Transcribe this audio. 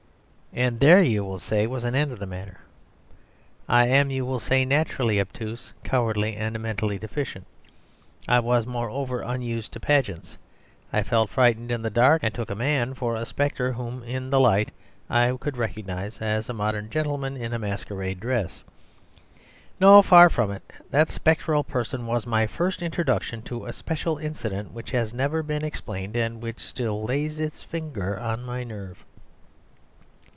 And there, you will say, was an end of the matter. I am (you will say) naturally obtuse, cowardly, and mentally deficient. I was, moreover, unused to pageants; I felt frightened in the dark and took a man for a spectre whom, in the light, I could recognise as a modern gentleman in a masquerade dress. No; far from it. That spectral person was my first introduction to a special incident which has never been explained and which still lays its finger on my nerve.